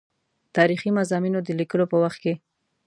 تاریخي مضامینو د لیکلو په وخت کې.